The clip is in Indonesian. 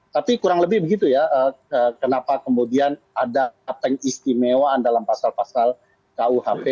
tapi kurang lebih begitu ya kenapa kemudian ada apeng istimewaan dalam pasal pasal kuhp